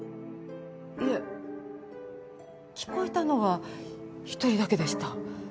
いえ聞こえたのは１人だけでした。